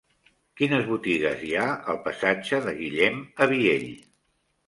Quines botigues hi ha al passatge de Guillem Abiell?